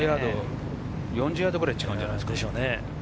４０ヤードぐらい違うんじゃないですか。